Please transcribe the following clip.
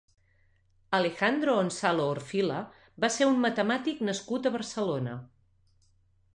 Alejandro Onsalo Orfila va ser un matemàtic nascut a Barcelona.